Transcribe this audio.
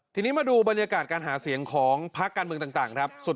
ทีนี้มาดูบรรยากาศการหาเสียงของพักการเมืองต่างครับ